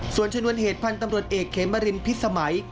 ส่วนชนวนเหตุพันธุ์ตำรวจเอกเขมรินพิษสมัย